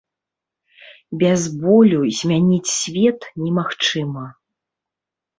Без болю змяніць свет немагчыма.